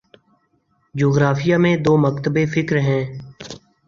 جغرافیہ میں دو مکتب فکر ہیں